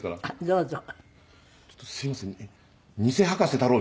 どうぞ。